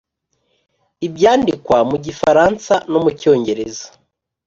i byandikwa mu gifaransa no mu cyongereza